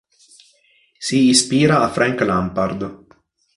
Si ispira a Frank Lampard.